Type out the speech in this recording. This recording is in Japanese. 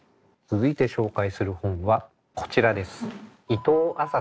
続いて紹介する本はこちらです。